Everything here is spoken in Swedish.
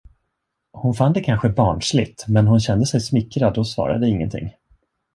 Hon fann det kanske barnsligt, men hon kände sig smickrad och svarade ingenting.